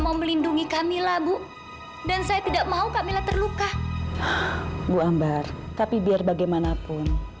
mau melindungi kami lah bu dan saya tidak mau kamila terluka bu ambar tapi biar bagaimanapun